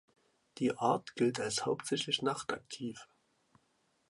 Die Art gilt als hauptsächlich nachtaktiv.